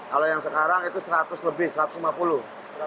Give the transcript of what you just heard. kalau yang sekarang itu seratus lebih satu ratus lima puluh